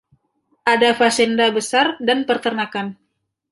Ada fazenda besar dan peternakan.